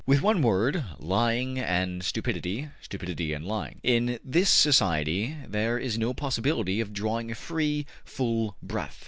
With one word, lying and stupidity, stupidity and lying. In this society there is no possibility of drawing a free, full breath.